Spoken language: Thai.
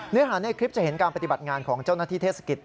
เนื้อหาในคลิปจะเห็นการปฏิบัติงานของเจ้าหน้าที่เทศกิจ